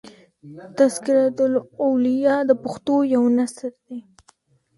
" تذکرة الاولیاء" د پښتو یو نثر دﺉ.